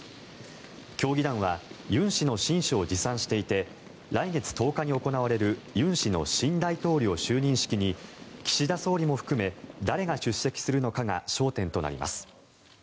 協議団は尹氏の親書を持参していて来月１０日に行われる尹氏の新大統領就任式に岸田総理も含め誰が出席するのかが焦点となります。